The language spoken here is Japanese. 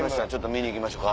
見に行きましょか」